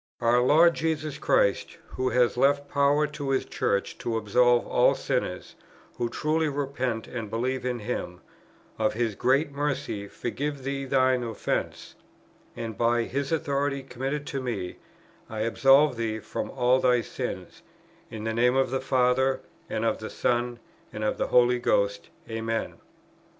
"Our Lord Jesus Christ, who hath left power to His Church to absolve all sinners who truly repent and believe in Him, of His great mercy forgive thee thine offences; and by His authority committed to me, I absolve thee from all thy sins, in the Name of the Father, and of the Son, and of the Holy Ghost. Amen."